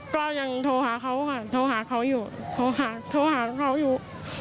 ก็ยังโทรหาเขาค่ะโทรหาเขาอยู่โทรหาโทรหาเขาอยู่